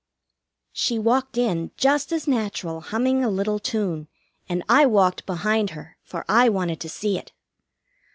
She walked in, just as natural, humming a little tune, and I walked behind her, for I wanted to see it.